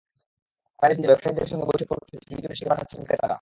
ক্রয়াদেশ দিতে ব্যবসায়ীদের সঙ্গে বৈঠক করতে তৃতীয় দেশে ডেকে পাঠাচ্ছেন ক্রেতারা।